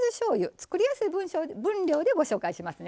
作りやすい分量でご紹介しますね。